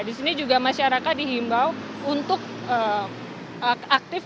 di sini juga masyarakat dihimbau untuk aktif atau menghidupkan